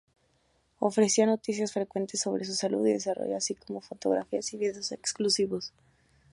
Ofrecía noticias frecuentes sobre su salud y desarrollo, así como fotografías y vídeos exclusivos.